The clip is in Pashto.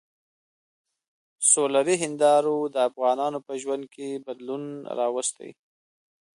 سولري هندارو د افغانانو په ژوند کې بدلون راوستی.